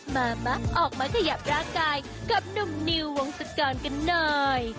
มาออกมาขยับร่างกายกับหนุ่มนิววงศกรกันหน่อย